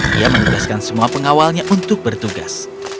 dia menugaskan semua pengawalnya untuk bertugas